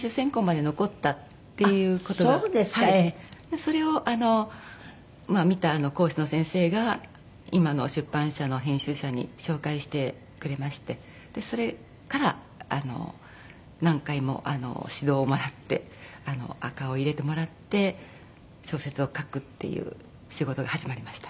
それをあの見た講師の先生が今の出版社の編集者に紹介してくれましてそれから何回も指導をもらって赤を入れてもらって小説を書くっていう仕事が始まりました。